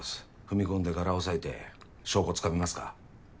踏み込んでガラ押さえて証拠つかみますか。